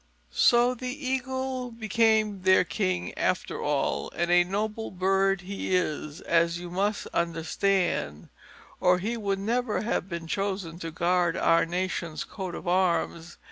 So the Eagle became their king, after all; and a noble bird he is, as you must understand, or he would never have been chosen to guard our nation's coat of arms.